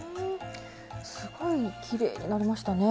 すごいきれいになりましたね！